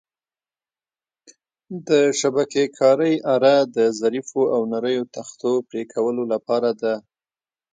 د شبکې کارۍ اره د ظریفو او نریو تختو پرېکولو لپاره ده.